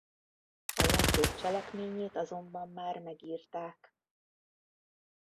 A játék cselekményét azonban már megírták.